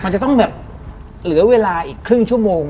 มันจะต้องแบบเหลือเวลาอีกครึ่งชั่วโมง